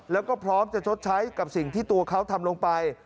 แล้วก็พร้อมจะชดใช้กับสิ่งที่ตัวเขาทำลงไป